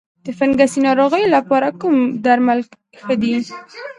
د فنګسي ناروغیو لپاره کوم درمل ښه دي؟